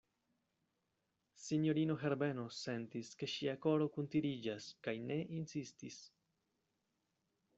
Sinjorino Herbeno sentis, ke ŝia koro kuntiriĝas, kaj ne insistis.